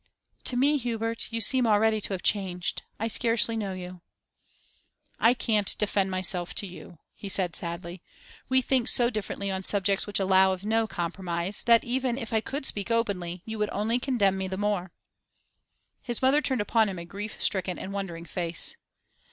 'To me, Hubert, you seem already to have changed. I scarcely know you.' 'I can't defend myself to you,' he said sadly. 'We think so differently on subjects which allow of no compromise, that, even if I could speak openly, you would only condemn me the more.' His mother turned upon him a grief stricken and wondering face.